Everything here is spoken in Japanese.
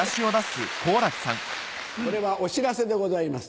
これはお知らせでございます